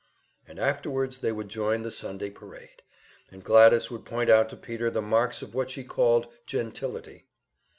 And afterwards they would join the Sunday parade, and Gladys would point out to Peter the marks of what she called "gentility."